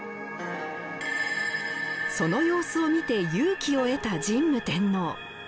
その様子を見て勇気を得た神武天皇。